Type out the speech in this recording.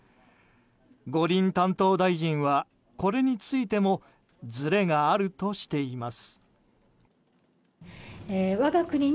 五輪担当大臣はこれについてもずれがあるとしています。